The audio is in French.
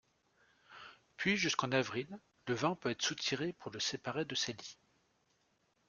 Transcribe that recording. Puis jusqu'en avril, le vin peut être soutiré pour le séparer de ses lies.